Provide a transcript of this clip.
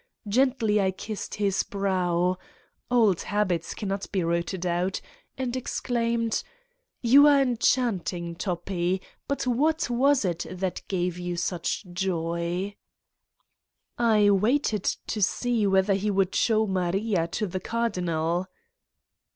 Gently I kissed his brow old habits cannot be rooted out , and exclaimed: "You are enchanting, Toppi! But what was it that gave you such joy?" "I waited to see whether he would show Maria to the cardinal